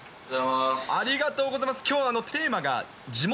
ありがとうございます。